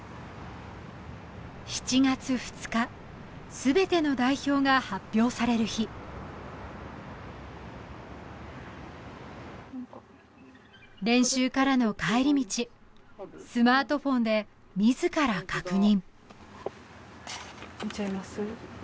全ての代表が発表される日練習からの帰り道スマートフォンで自ら確認見ちゃいます？